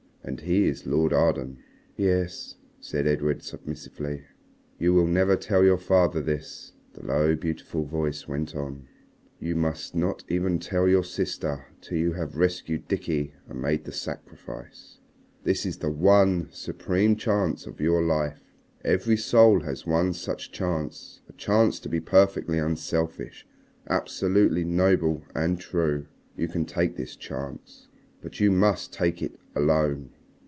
And he is Lord Arden." "Yes," said Edred submissively. "You will never tell your father this," the low, beautiful voice went on; "you must not even tell your sister till you have rescued Dickie and made the sacrifice. This is the one supreme chance of all your life. Every soul has one such chance, a chance to be perfectly unselfish, absolutely noble and true. You can take this chance. But you must take it alone.